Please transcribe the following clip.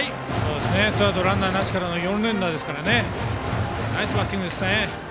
ツーアウトランナーなしからの４連打ですからねナイスバッティングでしたね。